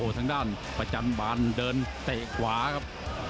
ทางด้านประจันบาลเดินเตะขวาครับ